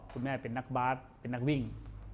คุณแม่เป็นนักบาสเป็นนักวิ่ง